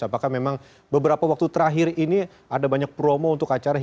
apakah memang beberapa waktu terakhir ini ada banyak promo untuk acara